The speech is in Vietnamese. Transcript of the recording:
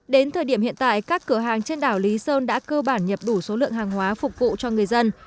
đến thời điểm hiện tại các cửa hàng trên đảo lý sơn đã cơ bản nhập đủ số lượng hàng hóa phục vụ cho người dân